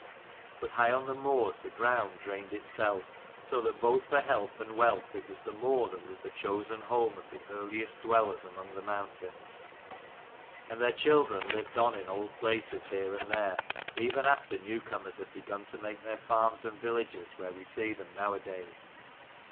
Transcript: But high on the moors the ground drained itself: so that both for health and wealth it was the moor that was the chosen home of the earliest dwellers among the mountains : and their children lived on in the old places here and there, even after new comers had begun to make their farms and villages where we see them nowadays.